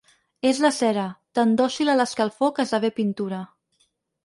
És la cera, tan dòcil a l’escalfor que esdevé pintura.